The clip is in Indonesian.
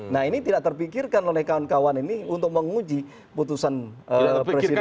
nah ini tidak terpikirkan oleh kawan kawan ini untuk menguji putusan presiden